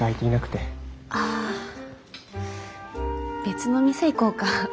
別の店行こうか？